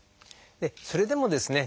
それでもですね